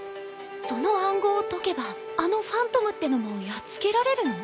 その暗号を解けばあのファントムってのもやっつけられるの？